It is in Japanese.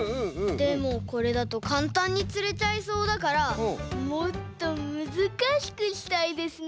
でもこれだとかんたんにつれちゃいそうだからもっとむずかしくしたいですね。